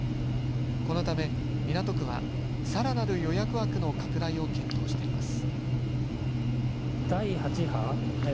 このため港区はさらなる予約枠の拡大を検討しています。